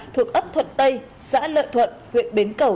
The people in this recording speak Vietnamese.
thuộc ấp thuận tây xã lợi thuận huyện bến cầu